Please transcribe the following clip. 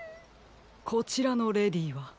こちらのレディーは？